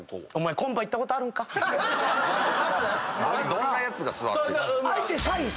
どんなやつが座ってんねん。